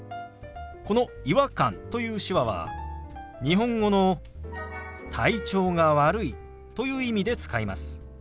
この「違和感」という手話は日本語の「体調が悪い」という意味で使います。